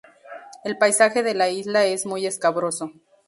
El paisaje de la isla es muy escabroso.